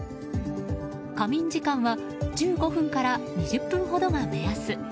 仮眠時間は、１５分から２０分ほどが目安。